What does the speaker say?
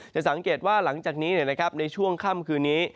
จะสังเกตว่าหลังจากนี้ในช่วงค่ำคืนนี้